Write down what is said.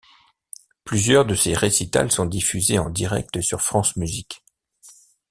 Plusieurs de ses récitals sont diffusés en direct sur France Musique.